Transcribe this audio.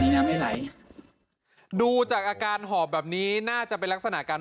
น้ำไม่ไหลดูจากอาการหอบแบบนี้น่าจะเป็นลักษณะการ